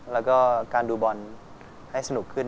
แล้วก็การดูบอลให้สนุกขึ้น